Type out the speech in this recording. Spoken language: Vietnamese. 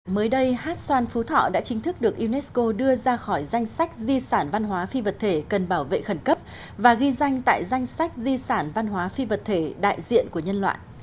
mới đây hát xoan phú thọ đã chính thức được unesco đưa ra khỏi danh sách di sản văn hóa phi vật thể cần bảo vệ khẩn cấp và ghi danh tại danh sách di sản văn hóa phi vật thể đại diện của nhân loại